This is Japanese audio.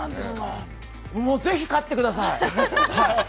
もうぜひ飼ってください！